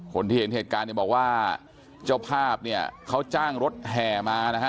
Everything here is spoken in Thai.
คนที่เห็นเหตุการณ์บอกว่าเจ้าภาพเขาจ้างรถแห่มา